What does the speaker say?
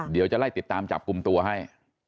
เดี๋ยวจะไล่ติดตามจับกลุ่มตัวให้